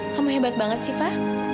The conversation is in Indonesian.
kamu hebat banget sih fah